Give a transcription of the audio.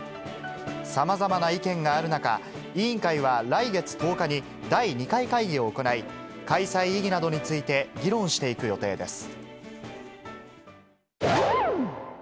さまざまな意見がある中、委員会は来月１０日に第２回会議を行い、開催意義などについて議論していく予定です。